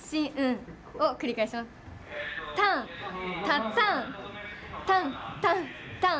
タンタタンタンタンタン。